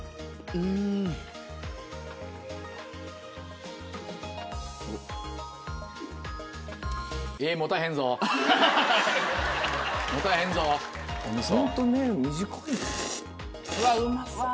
うわうまそう。